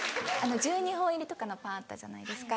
１２本入りとかのパンあったじゃないですか。